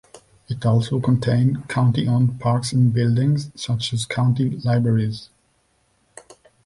It also maintains County-owned parks and buildings such as County libraries.